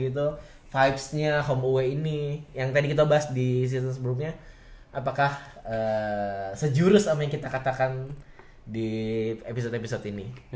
itu vibesnya home away ini yang tadi kita bahas di situ sebelumnya apakah sejurus apa yang kita katakan di episode episode ini